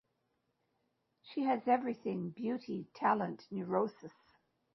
She has everything-beauty, talent, neurosis.